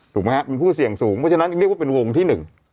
ถูกไหมครับเป็นผู้เสี่ยงสูงเพราะฉะนั้นเรียกว่าเป็นวงที่หนึ่ง